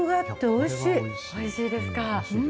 おいしいですか。